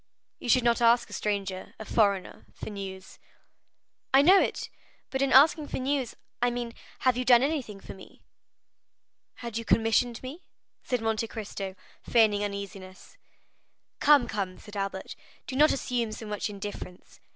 "You should not ask a stranger, a foreigner, for news." "I know it, but in asking for news, I mean, have you done anything for me?" "Had you commissioned me?" said Monte Cristo, feigning uneasiness. "Come, come," said Albert, "do not assume so much indifference.